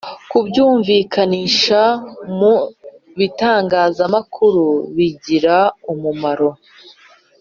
kubyumvikanisha mu bitangazamakuru bigira umumaro